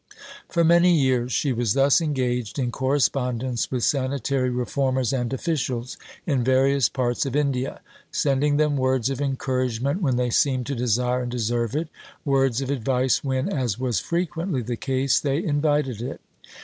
For many years she was thus engaged in correspondence with sanitary reformers and officials in various parts of India, sending them words of encouragement when they seemed to desire and deserve it, words of advice when, as was frequently the case, they invited it.